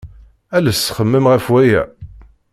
Ales xemmem ɣef waya.